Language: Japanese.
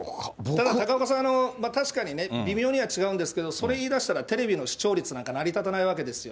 高岡さん、確かにね、微妙には違うんですけれども、それ言いだしたら、テレビの視聴率なんか成り立たないわけなんですよ。